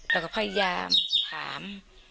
แต่ก็พยายามถาม